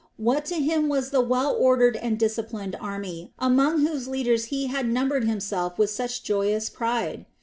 What to him was the well ordered and disciplined army, among whose leaders be had numbered himself with such joyous pride?